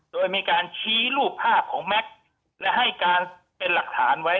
โดยมีการชี้รูปภาพของแม็กซ์และให้การเป็นหลักฐานไว้